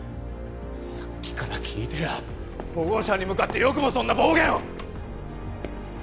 さっきから聞いてりゃ保護者に向かってよくもそんな暴言を！